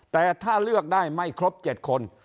แต่ถ้าเลือกได้ไม่ครบ๗คน